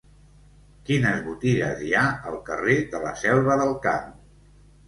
Quines botigues hi ha al carrer de la Selva del Camp?